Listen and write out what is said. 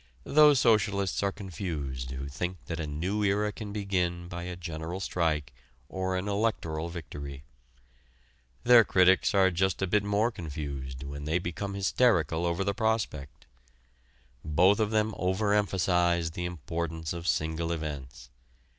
Those socialists are confused who think that a new era can begin by a general strike or an electoral victory. Their critics are just a bit more confused when they become hysterical over the prospect. Both of them over emphasize the importance of single events.